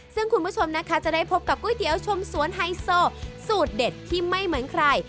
ซึ่งคุณผู้ชมนะคะจะได้พบกับก๋วยเตี๋ยวชมสวนไฮโซสูตรเด็ดที่ไม่เหมือนใคร